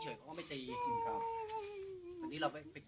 บอกแล้วให้ตั้งศาลมีคนบอก